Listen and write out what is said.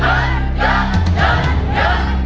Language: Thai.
หยุดหยุดหยุด